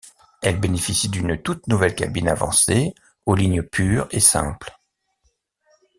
Elle bénéficie d'une toute nouvelle cabine avancée aux lignes pures et simples.